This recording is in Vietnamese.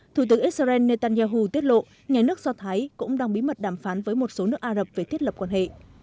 thủ tướng israel netanyahu tiết lộ nhà nước do thái cũng đang bí mật đàm phán với một số nước ả rập về thiết lập quan hệ